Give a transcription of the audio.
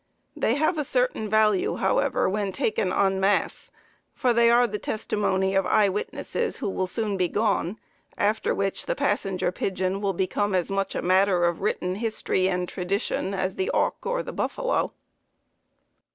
They have a certain value, however, when taken en masse, for they are the testimony of eye witnesses who will soon be gone, after which the Passenger Pigeon will become as much a matter of written history and tradition as the auk or the buffalo.